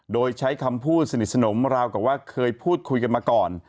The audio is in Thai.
โดยใช้คำพูดสนิทสนมราวกับว่าเคยพูดคุยกันมาก่อน